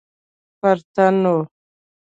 پر تن وه.